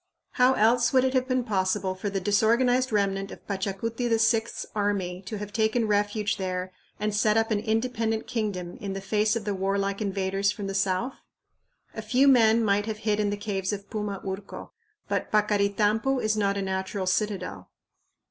How else would it have been possible for the disorganized remnant of Pachacuti VI's army to have taken refuge there and set up an independent kingdom in the face of the warlike invaders from the south? A few men might have hid in the caves of Puma Urco, but Paccaritampu is not a natural citadel.